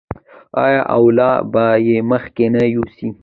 آیا او لا به یې مخکې نه یوسي؟